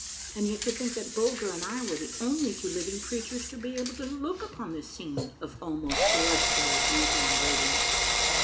And yet to think that Bulger and I were the only two living creatures to be able to look upon this scene of almost celestial beauty and radiance